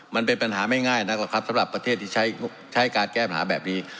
มันเป็นปัญหาไม่ง่ายนักหรอกครับสำหรับประเทศที่ใช้การแก้ปัญหาแบบนี้